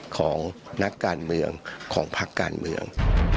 ของนักการเมืองของพักการเมือง